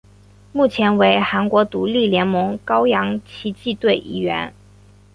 目前为韩国独立联盟高阳奇迹队一员。